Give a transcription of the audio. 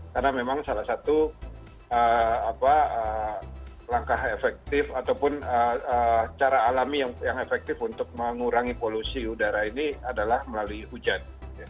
karena memang salah satu langkah efektif ataupun cara alami yang efektif untuk mengurangi polusi udara ini adalah melalui hujan